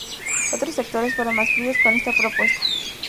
Otros sectores fueron más fríos con esta propuesta.